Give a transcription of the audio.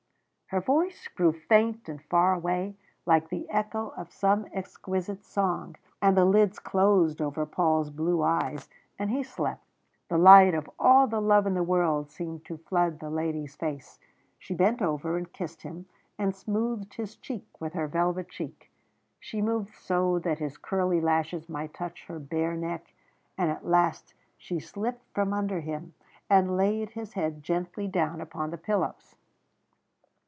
Her voice grew faint and far away, like the echo of some exquisite song, and the lids closed over Paul's blue eyes, and he slept. The light of all the love in the world seemed to flood the lady's face. She bent over and kissed him, and smoothed his cheek with her velvet cheek, she moved so that his curly lashes might touch her bare neck, and at last she slipped from under him, and laid his head gently down upon the pillows.